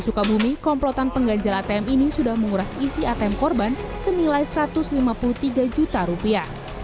sukabumi komplotan pengganjal atm ini sudah menguras isi atm korban senilai satu ratus lima puluh tiga juta rupiah